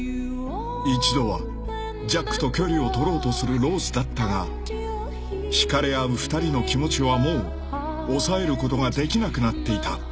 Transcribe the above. ［一度はジャックと距離をとろうとするローズだったが引かれ合う２人の気持ちはもう抑えることができなくなっていた］